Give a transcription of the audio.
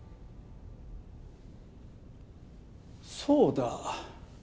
そうだ。